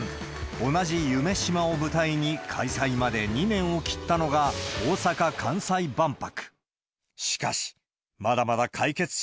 同じ夢洲を舞台に、開催まで２年を切ったのが、大阪・関西万博。